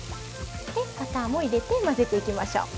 でバターも入れて混ぜていきましょう。